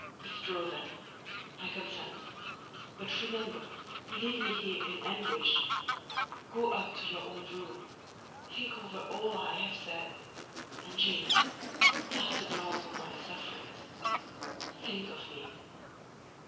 "Withdraw, then,—I consent; but remember, you leave me here in anguish. Go up to your own room; think over all I have said, and, Jane, cast a glance on my sufferings—think of me."